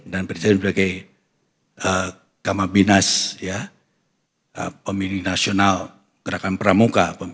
dan presiden sebagai kamabinas peminim nasional gerakan pramuka